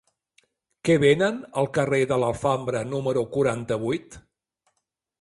Què venen al carrer de l'Alfambra número quaranta-vuit?